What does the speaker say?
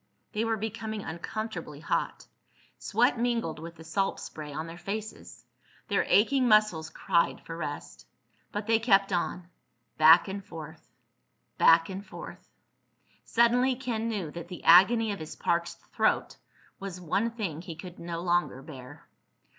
They were becoming uncomfortably hot. Sweat mingled with the salt spray on their faces. Their aching muscles cried for rest. But they kept on. Back and forth ... back and forth.... Suddenly Ken knew that the agony of his parched throat was one thing he could no longer bear.